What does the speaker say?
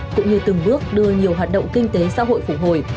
cũng như từng bước đưa nhiều hoạt động kinh tế xã hội phục hồi